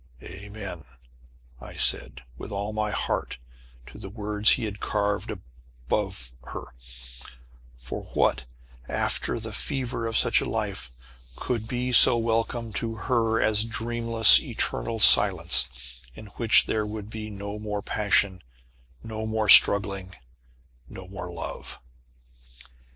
"Amen," I said, with all my heart, to the words he had carved above her, for what, after the fever of such a life, could be so welcome to her as dreamless, eternal silence, in which there would be no more passion, no more struggling, no more love?